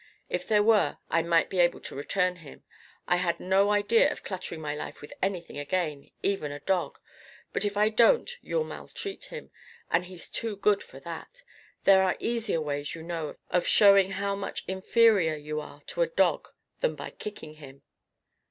If there were, I might be able to return him. I had no idea of cluttering my life with anything again even with a dog. But if I don't, you'll maltreat him. And he's too good for that. There are easier ways, you know, of showing how much inferior you are to a dog, than by kicking him."